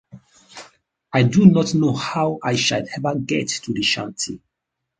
I do not know how I shall ever get to the shanty.